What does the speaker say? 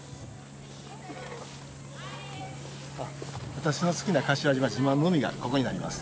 私の好きな柏島自慢の海がここになります。